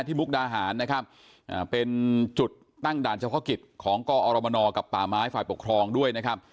มุกดาหารนะครับเป็นจุดตั้งด่านเฉพาะกิจของกอรมนกับป่าไม้ฝ่ายปกครองด้วยนะครับ